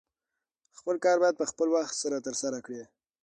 خپل کار باید په خپل وخت سره ترسره کړې